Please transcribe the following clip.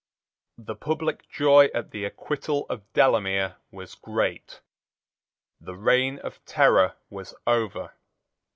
The public joy at the acquittal of Delamere was great. The reign of terror was over.